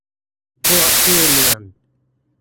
พวกชื่อเมือง